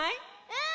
うん！